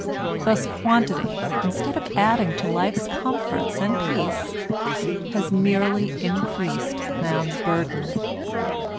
Thus quantity, instead of adding to life's comforts and peace, has merely increased man's burden.